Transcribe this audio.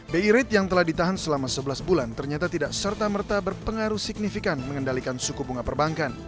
bi rate yang telah ditahan selama sebelas bulan ternyata tidak serta merta berpengaruh signifikan mengendalikan suku bunga perbankan